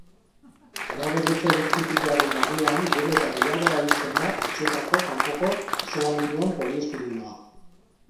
Eraberritze energetikoaren barnean, gero eta gehiago erabiltzen da etxeetako kanpoko isolamenduan poliestirenoa.